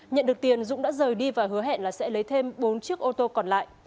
nhận được tiền dũng đã rời đi và hứa hẹn là sẽ lấy thêm bốn chiếc ô tô còn lại